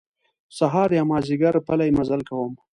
سهار یا مازیګر پلی مزل کوم.